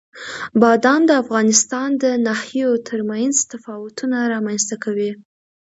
بادام د افغانستان د ناحیو ترمنځ تفاوتونه رامنځ ته کوي.